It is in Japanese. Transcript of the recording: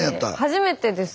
初めてです。